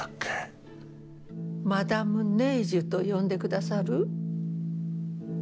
マダム・ネージュと呼んで下さる？